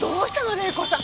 麗子さん。